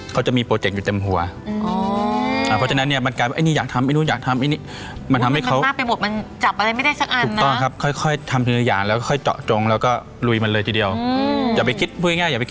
เขาจะมีโปรเจกต์อยู่เต็มหัว